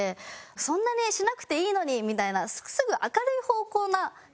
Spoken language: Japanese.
そんなにしなくていいのにみたいな。